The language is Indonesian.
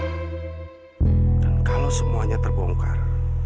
dan kalau semuanya terbongkar